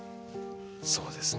そうですね。